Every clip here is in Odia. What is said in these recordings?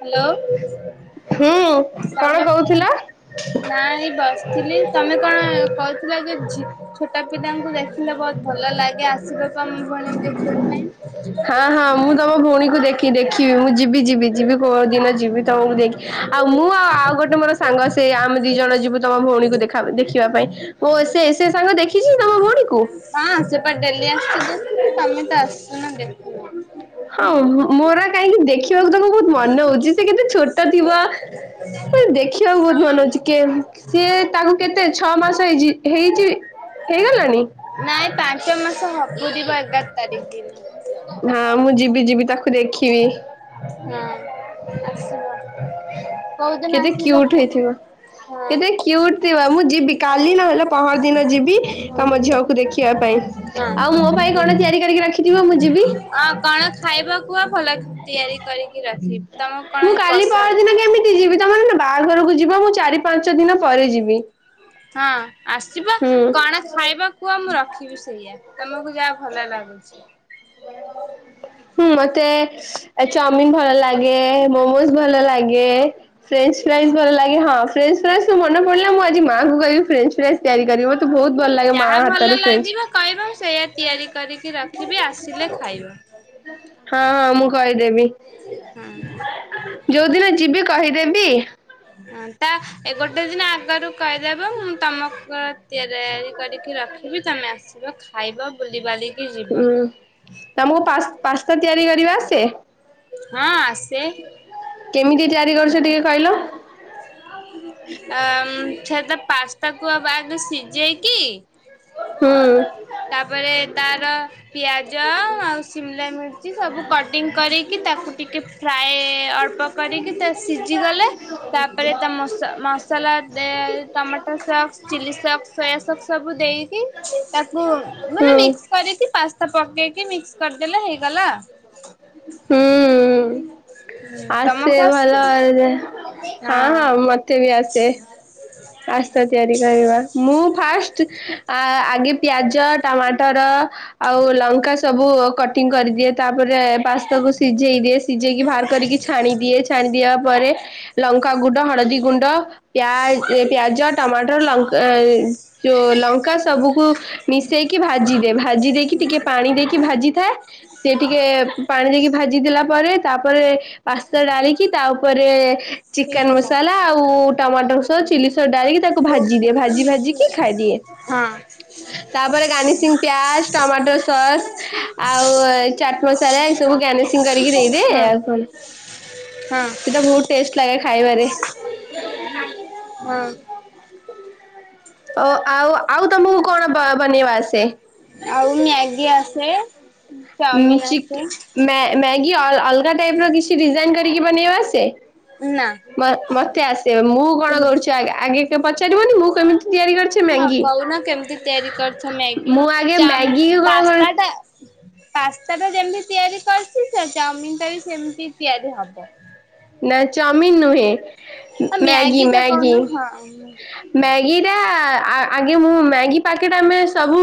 ହ୍ୟାଲୋ। ହୁଁ ସାଙ୍ଗ କଣ କହୁଥିଲ? ନାଇଁ ବସିଥିଲି ତମେ କଣ କହୁଥିଲ ଯେ ଝୀ ଛୋଟ ପିଲାଙ୍କୁ ଦେଖିଲେ ବହୁତ ଭଲ ଲାଗେ ଆସିବା ତମ ଭଳିଆ ଦେଖିବା ହଁ ହଁ ପାଇଁ। ମୁଁ ତମ ଭଉଣୀକୁ ଦେଖି କି ଦେଖିବି ମୁଁ ଯିବି ଯିବି ଯିବି କୋଉ ଦିନ ଯିବି ତମକୁ ଦେଖି ଆଉ ମୁଁ ଆ ଆଉ ଗୋଟେ ମୋର ସାଙ୍ଗ ସେଇ ଆମେ ଦି ଜଣ ଯିବୁ ତମ ଭଉଣୀକୁ ଦେଖା ଦେଖିବା ପାଇଁ। ଓ ସେ ସେ ସାଙ୍ଗ ଦେଖିଛି ତମ ଭଉଣୀକୁ? ସେପଟ ଡେଲି ଆସୁଚି ଦେଖି ତମେ ତ ଆସୁ ନା ଦେ ହଁ ମୋରା କାହିଁକି ଦେଖିବାକୁ ତାଙ୍କୁ - ବହୁତ ମନେ ହୋଉଛି ସେ କେତେ ଛୋଟ ଥିବ ଦେଖିବାକୁ ବହୁତ ମନେ ହୋଉଛି ସି ତାକୁ କେତେ ଛଅ ମାସ ହେଇଚି ହେଇଚି ହେଇଗଲାଣି? ନାଇଁ ପାଞ୍ଚ ମାସ ହବ ଏଗାର ତାରିଖ ଦିନ। ହଁ ମୁଁ ଯିବି ଯିବି ତାକୁ ଦେଖିବି। ହଁ ଆସିବ। କୋଉଦିନ କେତେ ଆସିବ କ୍ୟୁଟ୍ କୁହ ହେଇଥିବ। ହଁ। କେତେ କ୍ୟୁଟ୍ ଥିବ ମୁଁ ଯିବି ହଁ କାଲି ନହେଲେ ପହର ଦିନ ଯିବି ହଁ ତମ ଝିଅକୁ ଦେଖିବା ପାଇଁ। ଆଉ ମୋ ପାଇଁ କଣ ତିଆରି କରିକି ରଖିଥିବ ମୁଁ ଯିବି? ହଁ କଣ ଖାଇବ କୁହ ଭଲ ତିଆରି କରିକି ରଖିବି। ତମକୁ କଣ ମୁଁ କାଲି ପହର ପସନ୍ଦ? ଦିନ କେମିତି ଯିବି ତମେମାନେ ପା ବାହାଘରକୁ ଯିବ ମୁଁ ଚାରି ପାଞ୍ଚ ଦିନ ପରେ ଯିବି। ହଁ। ଆସିବ ହୁଁ କଣ ଖାଇବ କୁହ ମୁଁ ରଖିବି ସେଇଆ ତମକୁ ଯାହା ଭଲ ଲାଗୁଚି? ହୁଁ ମତେ ଚାଉମିିନ ଭଲ ଲାଗେ ମୋମୋସ୍ ଭଲ ଲାଗେ। ଫ୍ରେଞ୍ଚ୍ ଫ୍ରାଇଜ ଭଲ ଲାଗେ ହଁ ଫ୍ରେଞ୍ଚ୍ ଫ୍ରାଇଜରୁ ମନେ ପଡିଲା ମୁଁ ଆଜି ମାଙ୍କୁ କହିବି ଫ୍ରେଞ୍ଚ୍ ଫ୍ରାଇଜ ତିଆରି କରିବ। ବହୁତ ଭଲ ଲାଗେ ମା ଯାହା ଭଲ ହାତରେ ଫ୍ରେଞ୍ଚ୍ ଲାଗିବ କହିବ ସେଇୟା ତିଆରି କରିକି ରଖିବି ଆସିଲେ ଖାଇବ। ହଁ ହଁ ମୁଁ କହିଦେବି। ଯୋଉ ଦିନ ଯିବି କହିଦେବି। ହଁ ତା ଏ ଗୋଟେ ଦିନ ଆଗରୁ କହିଦେବ ମୁଁ ତମକୁ ତିଆରି କରିକି ରଖି ବି ତମେ ଆସିବ ଖାଇବ ବୁଲିବାଲି ହୁଁ ତମକୁ ପା ପାସ୍ତା ତିଆରି କରିବା ଆସେ? ହଁ ଆସେ। କେମିତି ତିଆରି କରୁଛ ଟିକେ କହିଲ? ଅ ଛେ ତ ପାସ୍ତାକୁ ଆଗ ସିଝେଇକି ହୁଁ ତାପରେ ତାର ପିଆଜ ଆଉ ସିମଲା ମିର୍ଚି ସବୁ କଟିଂ କରିକି ତାକୁ ଟିକିଏ ଫ୍ରାଏ ଅଳ୍ପ କରିକି ତା ସିଜି ଗଲେ ଦେ tomato sauce chilli sauce soya sauce ସବୁ ଦେଇକି ତାକୁ ହୁଁ ମାନେ ମିକ୍ସି କରିକି ପାସ୍ତା ପକେଇକି ମିକ୍ସି କରିଦେଲେ ହେଇଗଲା। ହୁଁ। ହୁଁ ଆସେ ତମକୁ ଆସୁଛି ଭଲ ରେ ହଁ ହଁ ମତେ ବି ଆସେ। ଆସେ ତିଆରି କରିବା ମୁଁ ଫାଷ୍ଟ ଆଗେ ପିଆଜ ଟମାଟର ଆଉ ଲଙ୍କା ସବୁ କଟ୍ କଟିଂ କରିଦିଏ ତାପରେ ପାସ୍ତାକୁ ସିଝେଇ ଦିଏ ସିଜେଇକି ବାହାର କରିକି ଛାଣି ଦିଏ ଛାଣି ଦିବା ପରେ ଲଙ୍କାଗୁଣ୍ଡ ହଳଦୀ ଗୁଣ୍ଡ ପିଆ ଜ ଟମାଟର ଲଙ୍କା ଯୋଉ ଲଙ୍କା ସବୁକୁ ମିଶେଇକି ଭାଜି ଦେ ଭାଜି ଦେଇକି ଟିକେ ପାଣି ଦେଇକି ଭାଜିଥାଏ। ସିଏ ଟିକେ ପାଣି ଦେଇକି ଭାଜିଦେଲା ପରେ ତାପରେ ପାସ୍ତା ଡାଳିକି ତା ଉପରେ ଚିକେନ୍ ମସଲା ଆଉ ଟମାଟୋ ସସ୍ ଚିଲି ସସ୍ ଡାଳିକି ତାକୁ କୁ ଭାଜି ଦିଏ ଭାଜି ଭାଜି କି ଖାଇଦିଏ। ହଁ ତାପରେ ଗାନିସିଂ ପିଆଜ ଟମାଟୋ ସସ୍ ଆଉ ଚା ମସଲା ଏ ସବୁ ଗାନିସିଂ କରିକି ଦେଇଦିଏ ହଁ ଆଉ କଣ। ହଁ। ସେଇଟା ବହୁତ ଟେଷ୍ଟ ଲାଗେ ଖାଇବାରେ। ହଁ। ଓ ଆଉ ଆଉ ତୋମକୁ କଣ ବ- ବନେଇବା ଆସେ? ଆଉ ମ୍ୟାଗି ଆସେ। ଉଁ, ଚାଉମିିନ ଆସେ ଚିକେ ମ୍ୟା ମ୍ୟା ମ୍ୟାଗି ଅ- ଅଲଗା ଟାଇପ୍ ର କିଛି ଡିଜାଇନ୍ କରିକି ବନେଇବା ଆସେ? ନା। ମ ମୋତେ ଆସିବ। ମୁଁ କଣ କରୁଛୁ ଆଗ ଆଗେ କେ ପଚାରିବନି ମୁଁ କେମିତି ତିଆରି କରିଛି ମେଙ୍ଗି। ନା କେମତି ତିଆରି କରିଛ ମ୍ୟାଗି ଆଗେ ଚାମ୍ ମ୍ୟାଗି କଣ କର ପାସ୍ତା ଟା ପାସ୍ତା ଟା ଯେମିତି ତିଆରି କରିଛି, ସେ ଚାଉମିିନ୍ ଟା ବି ସେମତି ତିଆରି ହବ। ନା ଚାମିନ୍ ନୁହେଁ ଉଁ, ଆଉ ମ୍ୟାଗି ଟା ମ୍ୟାଗି। କହୁନ ହଁ। ମ୍ୟାଗି ଟା ଆ-ଆଗେ ମୁଁ ମ୍ୟାଗି ପାକେଟ୍ ଆମେ ସବୁ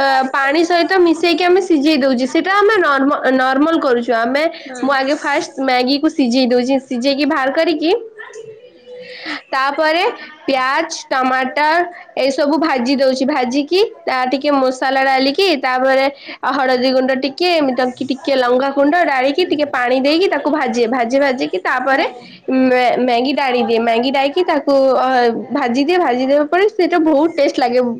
ଅ, ପାଣି ସହିତ ମିଶେଇକି ଆମେ ସିଝେଇ ଦଉଚି, ସେଟା ଆମେ ନର୍ମ ନର୍ମାଲ୍ କରୁଛୁ। ଆମେ ହୁଁ ମୁଁ ଆଗେ ଫାଷ୍ଟ ମ୍ୟାଗିକୁ ସିଝେଇ ଦୋଉ ଚି ସିଜେଇକି ବାହାର କରିକି, ତାପରେ ପିଆଜ୍ ଟମାଟର୍ ଏଇ ସବୁ ଭାଜି ଦଉଛି, ଭାଜିକି ତା ଟିକେ ମସଲା ଡାଲିକି ତାପରେ ଓ ହଳଦୀ ଗୁଣ୍ଡ ଟି କେ ଏମତି ତା ଟିକେ ଲଙ୍ଗା ଗୁଣ୍ଡ ଡାଳିକି ଟିକେ ପାଣି ଦେଇକି ତାକୁ ଭାଜିବେ। ଭାଜି ଭାଜିି ତାପରେ ମେ ମେଙ୍ଗି ଡାଳିବି ମେଙ୍ଗି ଡାଇକି ତାକୁ ଅହ ଭାଜି ଯେ ଭାଜିଦେଉ ପରେ ସେଇଟା ବହୁତ୍ ଟେଷ୍ଟ ଲାଗେ। ଉ,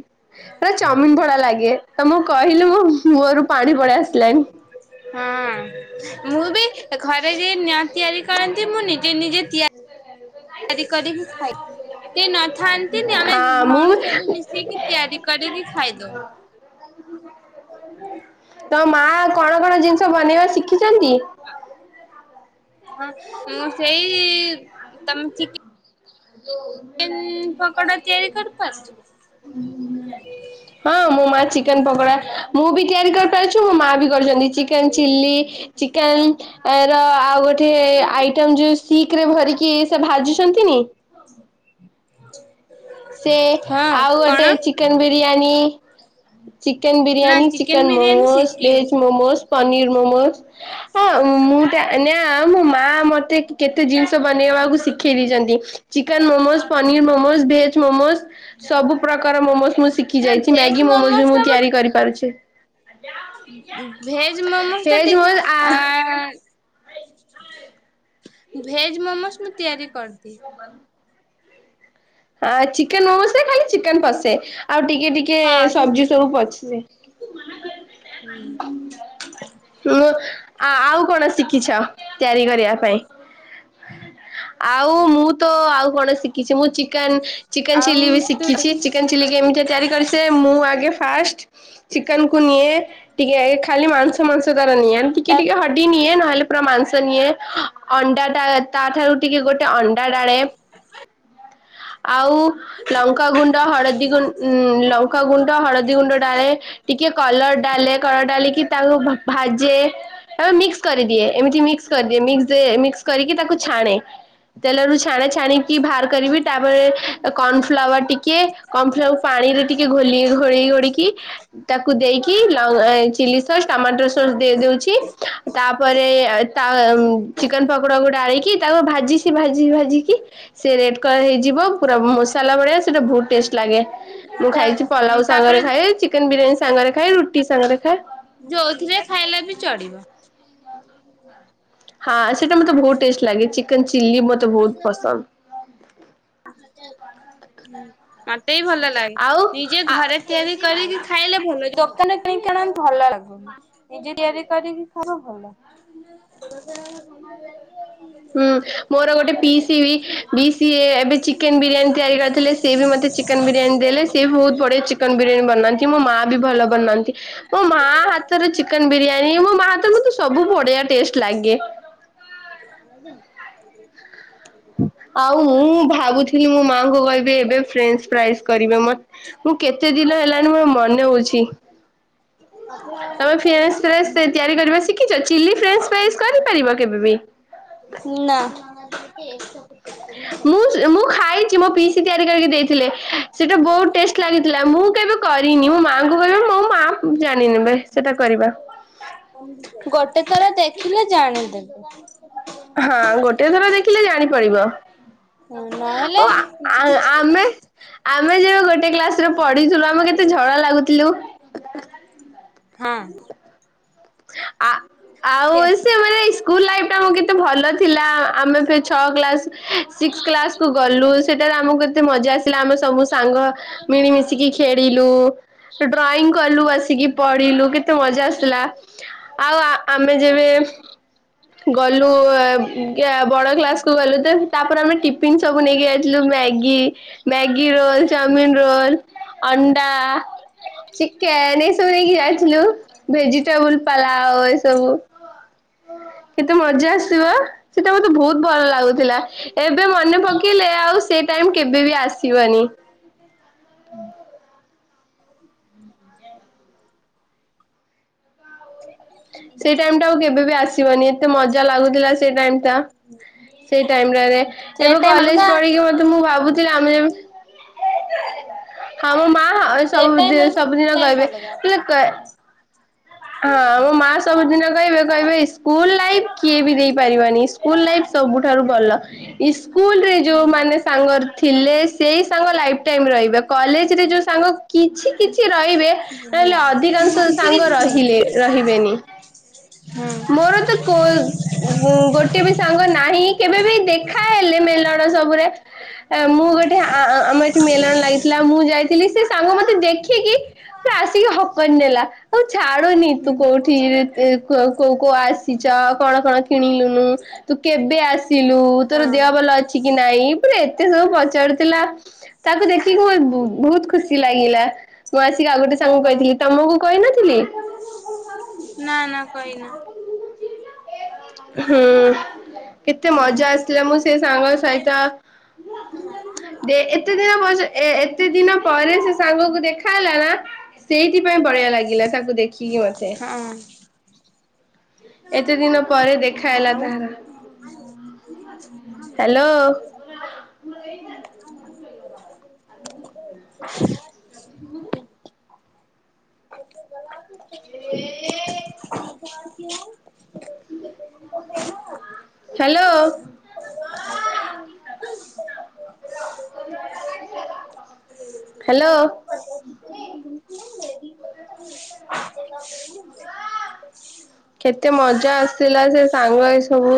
ସେଟା ଚାଓମିନ୍ ଭଳିଆ ଲାଗେ ତୋମକୁ କହିଲି ମୁଁ ମୁଅରୁ ପାଣି ପଳି ଆସିଲାଣି। ହଁ ମୁଁ ବି ଏ ଘରେ ଯେ ନିଅ ତିଆରି କରନ୍ତି। ମୁଁ ନିଜେ ନିଜେ ତିଆ ଆରି କରିବି ଖାଇବି। କେଇ ନଥାନ୍ତି ନେ ଆମେ ହଁ ମୁଁ ଭଉଣୀ ସବୁ ମିଶିକି ତିଆରି କରିକି ଖାଇଦଉ। ତୋମ ମା କଣ କଣ ଜିନିଷ ବନେଇବା ଶିଖିଚନ୍ତି? ହଁ ମୁଁ ସେଇ ତୋମେ ଚିକେ ତୋ କେନ୍ ପକୋଡ଼ା ତିଆରି କରି ପାରୁଛୁ? ହଁ ମୋ ମା ଚିକେନ୍ ପକୋଡ଼ା ମୁଁ ବି ତିଆରି କରିପାରୁଛୁ। ମୋ ମା ବି କରିଚନ୍ତି, ଚିକେନ୍ ଚିଲ୍ଲି ଚିକେନ୍ ଏର ଆଉ ଗୋ ଠେ ଆଇଟମ୍ ଯୋଉ ଷ୍ଟିକ୍ ରେ ଭରିକି ସେ ଭାଜୁଛନ୍ତିନି ସେ ଆଉ ହଁ ଗୋଟେ କଣ? ଚିକେନ୍ ବିରିୟାନୀ। ଚିକେନ୍ ନା ବିରିୟାନୀ, ଚିକେନ ଚିକେନ୍ ବିରିୟାନୀ ମୋମୋସ୍, ଶିଖିନି। ଭେଜ୍ ମୋମୋସ୍, ପନିର୍ ମୋମୋସ୍। ହଁ ମୁଁ ଟା ନା ମୋ ମା ମୋତେ କେତେ ଜିନିଷ ବନେଇ ବାକୁ ଶିଖେଇ ଦେଇଚନ୍ତି। ଚିକେନ୍ ମୋମୋଶ୍, ପନିର୍ ମୋମୋଶ୍ ସବୁ ପ୍ରକାର ମୋମୋଶ୍ ମୁଁ ଶି ଖି ନା ଯାଇଛି। ଭେଜ ମ୍ୟାଗି ମୋମୋଜ୍ ମୋମୋସ୍ ବି ମୁଁ ତିଆରି କରିପାରୁଛି। ଉଁ, ଭେଜ୍ ମୋମୋଶ୍ ଟା ଭେଜ ମୋ ଟିକେ ଆ, ଭେଜ୍ ମୋମୋଶ୍ ମୁଁ ତିଆରି କରିଦିଏ। କନ ହଁ ଚିକେନ୍ ମୋମୋଶ୍ ରେ ଖାଲି ଚିକେନ୍ ପସେ। ଆଉ ଟିକେ ଟିକେ ହଁ ଯେ ସବଜି ସବୁ ପଛ ସେ ମୁଁ, ଆ, ଆଉ କଣ ଶିଖିଛ ତିଆରି କରିବା ପାଇଁ? ଆଉ ମୁଁ ତ ଆଉ କଣ ଶିଖିଛି। ମୁଁ ଚି କେନ୍ ଚିକେନ୍ ଆଉ ଚିଲି ବି ତୁ ତ ଶିଖିଛି। କିଛି ଚିକେନ୍ ଶିଖି ଚିଲି କେମିତି ତିଆରି କରି ଶି ସେ ମୁଁ ଆଗେ ଫାଷ୍ଟ ଚିକେନ୍ କୁ ନିଏ, ଟିକେ ଏଇ ଖାଲି ମାଂସ ସବୁ ମାଂସ ତାର ନିଏ ଟିକେ ଟିକେ ହଡ଼ି ନିଏ ନହେଲେ ପରା ମାଂସ ନିଏ। ଅଣ୍ଡା ଟା ତା ଠାରୁ ଟିକେ ଗୋଟେ ଅଣ୍ଡା ଡାଳେ ଆଉ ଲଙ୍କାଗୁଣ୍ଡ, ହଳଦିଗୁ ଲଙ୍କାଗୁଣ୍ଡ, ହଳଦିଗୁଣ୍ଡ ଡାଳେ ଟିକେ କଲର ଡାଲେ କଲର ଡାଲିକି ତାକୁ ଭାଜେ। ଆ ମିକ୍ସ କରିଦିଏ ଏମିତି ମିକ୍ସ କରିଦିଏ ମିକ୍ସ କରିକି ତାକୁ ଛାଣେ। ତେଲ ରୁ ଛାଣେ ଛାଣିକି ବାହାର କରିବି ତାପରେ କନ୍ ଫ୍ଲାୱାର୍ ଟିକେ କନ୍ ଫ୍ଲାୱାର୍ ପାଣି ରେ ଟିକେ ଘୋଲି ଘୋଡେଇ ଘୋଡ଼ିକି ତାକୁ ଦେଇକି ଲ ଏ ଚିଲି ସକ୍ସ, ଟମାଟୋ ସକ୍ସ ଦେଇ ଦୋଉଛି। ତାପରେ ତା ଚିକେନ୍ ପକୋଡ଼ା ଗୁଡ଼ା ଆଣିକି ତାକୁ ଭାଜି ସି ଭାଜି ଭାଜିିକି। ସେ ରେଡ୍ କଲର ହେଇଯିବ ପୁରା ମସଲା ଭଳିଆ ସେଟା ବହୁତ ଟେଷ୍ଟ ଲାଗେ। ମୁଁ ଖାଇଛି ପଲାଓ ତାପରେ ସାଙ୍ଗରେ ଖାଏ ଚିକେନ୍ ବିରିୟାନୀ ସାଙ୍ଗରେ ଖାଏ ରୁଟି ସାଙ୍ଗରେ ଖାଏ। ଯୋଉଥିରେ ଖାଇଲେ ବି ଚଳିବ। ହଁ ସେଇଟା ମତେ ବହୁତ ଟେଷ୍ଟ ଲାଗେ ଚିକେନ୍ ଚିଲି ମତେ ବହୁତ ପସନ୍ଦ। ମତେ ବି ଭଲ ଲାଗେ ନିଜେ ଆଉ ଘରେ ତିଆରି କରିକି ଖାଇଲେ ଭଲ ଦୋକାନ କିଣିକି ଆଣନ୍ତି ଭଲ ଲାଗୁନି। ନିଜେ ତିଆରି କରିକି ଖାଅ ଭଲ। ହୁଁ ମୋର ଗୋଟେ ପିଇସି ବି ସିଏ ଏବେ ଚିକେନ୍ ବିରିୟାନୀ ତିଆରି କରିଥିଲେ ସିଏ ବି ମତେ ଚିକେନ୍ ବିରିୟାନୀ ଦେଲେ ସିଏ ବି ବହୁତ ବଢିଆ ଚିକେନ୍ ଚିକେନ୍ ବିରିୟାନୀ ବନାନ୍ତି ମୋ ମା ବି ଭଲ ବନାନ୍ତି। ମୋ ମା ହାତର ଚିକେନ୍ ବିରିୟାନୀ ମୋ ମା ହାତରେ ମତେ ସବୁ ବଢ଼ିଆ ଟେଷ୍ଟ ଲାଗେ। ଆଉ ମୁଁ ଭାବୁଥିଲି ମୋ ମାଆଙ୍କୁ କହିବି ଏବେ ଫ୍ରେଞ୍ଜ ପ୍ରାଇସି କରିବେ ମତେ ମୁଁ କେତେ ଦିନ ହେଲାଣି ମୋ ମନେ ହଉଛି। [inaudible] ଫ୍ରେସ୍ ଫ୍ରେସ୍ ତିଆରି କରିବା ଶିଖିଚ ଚିଲି ଫ୍ରେଞ୍ଜ ଫ୍ରାଇଜି କରିପାରିବ କେବେ ବି? ଉ ନା। ମୁଁ ମୁଁ ଖାଇଛି ମୋ ପିଇସି ତିଆରି କରିକି ଦେଇଥିଲେ ସେଇଟା ବହୁତ ଟେଷ୍ଟ ଲାଗିଥିଲା ମୁଁ କେବେ କରିନି ମୋ ମାଙ୍କୁୁ କହିବେ ମୋ ମା ଜାଣିନେବେ ସେଟା କରିବା। ଗୋଟେ ଥର ଦେଖିଲେ ଜାଣିଦେବେ। ହଁ ଗୋଟେ ଥର ଦେଖିଲେ ଜାଣିପାରିବ। ହଁ ନହେଲେ ଓ ଆ କି ଆମେ ଆମେ ଯେବେ ଗୋଟେ କ୍ଲାସ ରେ ପଢିଥିଲୁ ଆମେ କେତେ ଝଗଡ଼ା ଲାଗୁଥିଲୁ। ହଁ। ଆ ଆଉ ସେ ଓସେ ବେରେଇସି ସ୍କୁଲ ଲାଇଫ୍ ଟା କେତେ ଭଲ ଥିଲା ଆମେ ଛଅ କ୍ଲାସ ସିକ୍ସ କ୍ଲାସକୁ ଗଲୁ ସେଠି ସେତେବେଳେ ଆମକୁ କେତେ ମଜା ଆସିଲା ଆମେ ସବୁ ସାଙ୍ଗ ମିଳିମିଶିକି ଖେଳିଲୁ। ଡ୍ରଇଁ କଲୁ ଆସିକି ପଢିଲୁ କେତେ ମଜା ଆସିଲା ଆଉ ଆ ଆମେ ଯେବେ ଗଲୁ ବଡ଼ କ୍ଲାସ୍ କୁ ଗଲୁ ଯେ ତାପରେ ଆମେ ଟିଫିନ୍ ସବୁ ନେଇକି ଯାଇଥିଲୁ‌ Maggi Maggi roll chow mein roll. ଅଣ୍ଡା। ଚିକେନ୍ ଏସବୁ ନେଇକି ଯାଇଥିଲୁ ଭେଜିଟେବୁଲ ପଲାଓ ଏସବୁ। କେତେ ମଜା ଆସିବ ସେଟା ମତେ ବହୁତ ଭଲ ଲାଗୁଥିଲା। ଏବେ ମନେ ପକେଇଲେ ଆଉ ସେ ଟାଇମ୍ କେବେ ବି ଆସିବନି। ସେଇ ଟାଇମ ଆଉ କେବେବ ଆସିବନି ଏତେ ମଜା ଲାଗୁଥିଲା ସେଇ ଟାଇମ୍ ଟା ସେଇ ଟାଇମ୍ ଟାରେ। ସେ ଏବେ ଟାଇମ୍ କଲେଜ୍ ଅଲଗା ପଢି଼କି ମତେ ମୁଁ ଭାବୁଥିଲି ଆମେ ଯେମି ହଁ ମୋ ମା ସେ ସବୁ ଟାଇମ୍ ଅଲଗା ଏ ସବୁଦିନ ଟାଇମ୍ ବାୟେ ଅଲଗା। ବାୟେ [unintelligible] କରେ। ହଁ ମୋ ମା ସବୁଦିନ କହିବେ କହିବେ ସ୍କୁଲ ଲାଇଫ୍ କିଏ ବି ଦେଇ ପାରିବନି। ସ୍କୁଲ ଲାଇଫ୍ ସବୁଠାରୁ ନା ଭଲ ଇସ୍କୁଲ ରେ ଯୋଉ ନା ମାନେ ସାଙ୍ଗ ଥିଲେ ସେଇ ସାଙ୍ଗ ଲାଇଫ୍ ଟାଇମ ରହିବେ କଲେଜ ରେ ଯୋଉଁ ସାଙ୍ଗ କିଛି କିଛି ରହିବେ ନହେଲେ ଅଧିକାଂଶ ନା କିଛି ସାଙ୍ଗ କିଛି ରହି ନୁହେଁ। ହୁଁ ମୋର ତ କୋ ଗୋଟେ ବି ସାଙ୍ଗ ନାହିଁ କେବେ ବି ଦେଖା ହେଲେ ମେଲଣ ସବୁରେ ମୁଁ ଗୋଟେ ଆ ଆ ଆମର ଏଠି ମେଲଣ ଲାଗିଥିଲା ମୁଁ ଯାଇଥିଲି ସେ ସାଙ୍ଗ ମତେ ଦେଖିକି ଆସିକି ହଗ୍ କରିନେଲା ଆଉ ଛାଡୁନି ତୁ ହଁ। କୋଉଠି କୋଉ କୋଉ ଆସିଛ କଣ କଣ କିଣିଲୁନୁ ତୁ କେବେ ଆସି ଥିଲୁ ତୋର ଦେହ ହଁ ଭଲ ଅଛି କି ନାଇଁ ପୁରା ଏତେ ସବୁ ପଚାରୁଥିଲା। ତାକୁ ଦେଖିକି ମୋ ବହୁତ ଖୁସି ଲାଗିଲା ମୁଁ ଆସିକି ଆଉ ଗୋଟେ ସାଙ୍ଗ ହଁ କହିଥିଲି ତମକୁ କହିନଥିଲି? ନା ନା କହିନା ହୁଁ କେତେ ହଁ ମଜା ଆସଥିଲା ମୁଁ ସେ ସାଙ୍ଗ ସହିତ ହଁ। ଦେ ଏତେ ଦିନ ପ ଏତେ ଦିନ ପରେ ସେ ସାଙ୍ଗକୁ ଦେଖ ହେଲା ନା ସେଇଥିପାଇଁ ବଢିଆ ଲାଗିଲା ତାକୁ ଦେଖିକି ମତେ ହଁ ଏତେ ଦିନ ପରେ ଦେଖା ହେଲା ଆଉ ତାହାର ହ୍ୟାଲୋ [unintelligible] [inaudible] ହେ [inaudible] ହ୍ୟାଲୋ [inaudible] ହ୍ୟାଲୋ କେତେ ମଜା ଆସିଥିଲା ସେ ସାଙ୍ଗ ଏ ସବୁ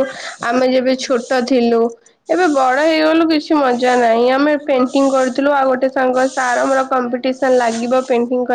ଆମେ ଯେବେ ଛୋଟ ଥିଲୁ ଏବେ ବଡ ହେଇଗଲୁ କିଛି ମଜା ନାହିଁ ଆମେ ପେଣ୍ଟିଂ କରିଥିଲୁ। ଆଉ ଗୋଟେ ସାଙ୍ଗ ସାର ଆମର କମ୍ପିଟିସନ ଲାଗିବ ପେଣ୍ଟିଂ କରି